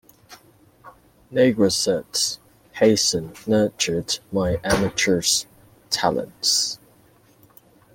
Nagua says: Hassan nurtured my amateur's talents...